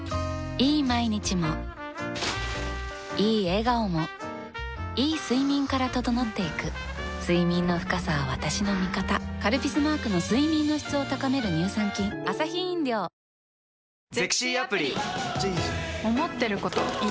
いい毎日もいい笑顔もいい睡眠から整っていく睡眠の深さは私の味方「カルピス」マークの睡眠の質を高める乳酸菌警察署から出てきた黒いＴシャツ姿の男。